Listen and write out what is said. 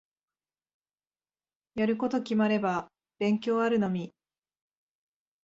やること決まれば勉強あるのみ。